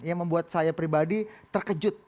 yang membuat saya pribadi terkejut